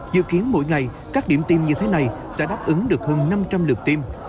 dự kiến mỗi ngày các điểm tiêm như thế này sẽ đáp ứng được hơn năm trăm linh lượt tiêm